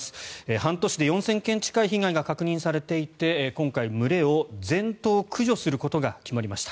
半年で４０００件近い被害が確認されていて今回、群れを全頭駆除することが決まりました。